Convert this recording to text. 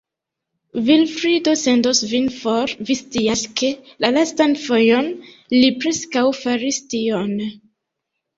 Vilfrido sendos vin for; vi scias, ke, la lastan fojon, li preskaŭ faris tion.